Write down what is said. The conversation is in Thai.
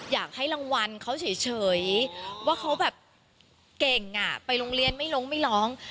อยากให้รางวัลเขาเฉยว่าเขาแบบเก่งอ่ะไปโรงเรียนไม่ลงไม่ร้อง